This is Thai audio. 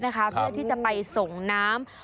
เพื่อที่จะไปส่งน้ำ